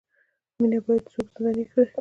مینه باید څوک زنداني نه کړي.